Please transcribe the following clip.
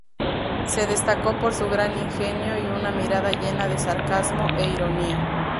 Se destacó por su gran ingenio y una mirada llena de sarcasmo e ironía.